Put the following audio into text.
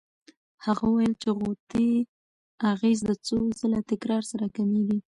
هغه وویل چې د غوطې اغېز د څو ځله تکرار سره کمېږي.